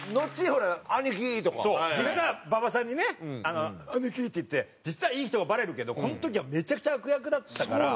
実は馬場さんにね「兄貴」って言って実はいい人がバレるけどこの時はめちゃくちゃ悪役だったから。